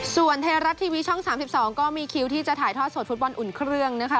ส่วนไทยรัฐทีวีช่อง๓๒ก็มีคิวที่จะถ่ายทอดสดฟุตบอลอุ่นเครื่องนะคะ